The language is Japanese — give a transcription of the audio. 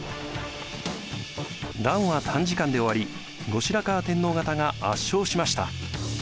乱は短時間で終わり後白河天皇方が圧勝しました。